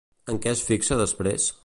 En què es fixa després?